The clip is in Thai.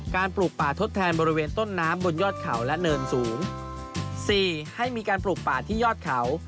๒การปลูกป่าทศแทนตามไหล่เขา